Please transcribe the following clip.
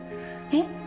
えっ？